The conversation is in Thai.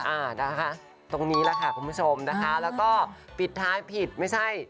อ่านะคะตรงนี้แหละค่ะคุณผู้ชมนะคะแล้วก็ปิดท้ายผิดไม่ใช่